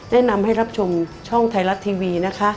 แนะนำให้รับชมช่องไทยรัฐทีวีนะคะ